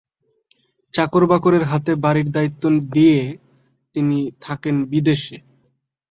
চাকর বাকরের হাতে বাড়ির দায়িত্ব দিয়ে তিনি থাকেন বিদেশে।